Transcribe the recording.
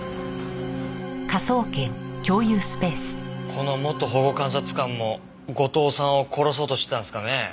この元保護監察官も後藤さんを殺そうとしてたんですかね？